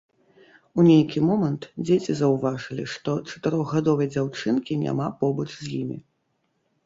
У нейкі момант дзеці заўважылі, што чатырохгадовай дзяўчынкі няма побач з імі.